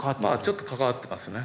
ちょっと関わってますね。